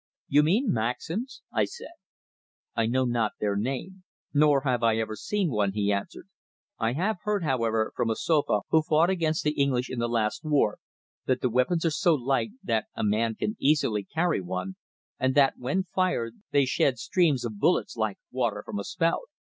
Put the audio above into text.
"You mean Maxims," I said. "I know not their name, nor have I ever seen one," he answered. "I have heard, however, from a Sofa who fought against the English in the last war, that the weapons are so light that a man can easily carry one, and that when fired they shed streams of bullets like water from a spout.